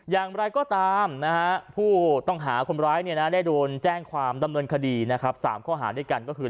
อย่างไรก็ตามผู้ต้องหาคนร้ายได้โดนแจ้งความดำเนินคดีนะครับ๓ข้อหาด้วยกันก็คือ